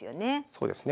そうですね